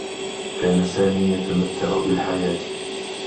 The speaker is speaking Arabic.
كان سامي يتمتّع بالحياة.